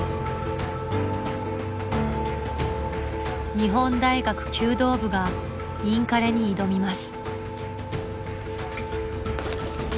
日本大学弓道部がインカレに挑みます。